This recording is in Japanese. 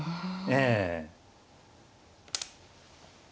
ええ。